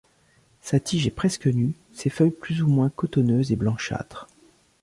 Sa tige est presque nue, ses feuilles plus ou moins cotonneuses et blanchâtres.